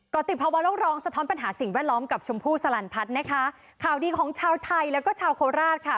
ก็ติดภาวะโลกร้องสะท้อนปัญหาสิ่งแวดล้อมกับชมพู่สลันพัฒน์นะคะข่าวดีของชาวไทยแล้วก็ชาวโคราชค่ะ